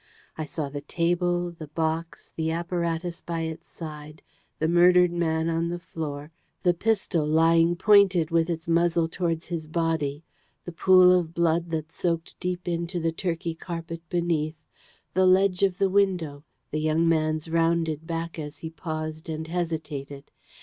I saw the table, the box, the apparatus by its side, the murdered man on the floor, the pistol lying pointed with its muzzle towards his body, the pool of blood that soaked deep into the Turkey carpet beneath, the ledge of the window, the young man's rounded back as he paused and hesitated.